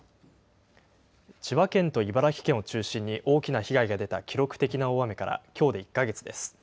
千葉県と茨城県を中心に大きな被害が出た記録的な大雨から、きょうで１か月です。